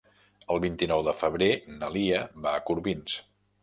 El vint-i-nou de febrer na Lia va a Corbins.